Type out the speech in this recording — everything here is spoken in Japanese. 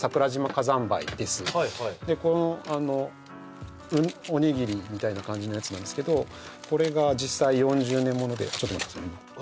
でこのあのおにぎりみたいな感じのやつなんですけどこれが実際４０年ものでちょっと待ってください